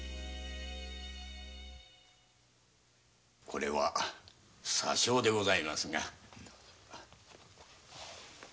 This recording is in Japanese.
これはわずかでございますが。